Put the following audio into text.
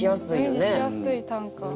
イメージしやすい短歌。